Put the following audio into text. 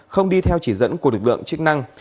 không đi theo chỉ dẫn của lực lượng chức năng